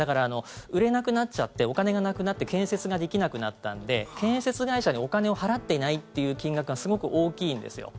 売れなくなっちゃってお金がなくなって建設ができなくなったので建設会社にお金を払っていない金額がすごく大きいんですよ。